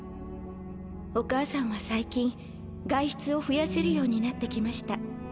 お母さんは最近外出を増やせるようになってきました。